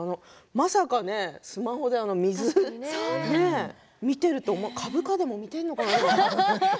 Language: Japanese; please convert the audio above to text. まさかね、スマホで水を見ていると株価でも見ているのかなと思ったら。